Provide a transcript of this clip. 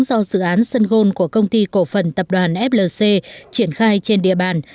do dự án sân gôn của công ty cổ phần tập đoàn flc triển khai trên địa bàn